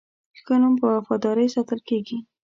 ښه نوم په وفادارۍ ساتل کېږي.